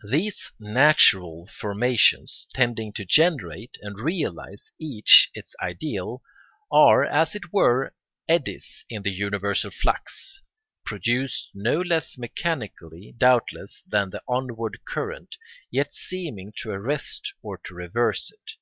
] These natural formations, tending to generate and realise each its ideal, are, as it were, eddies in the universal flux, produced no less mechanically, doubtless, than the onward current, yet seeming to arrest or to reverse it.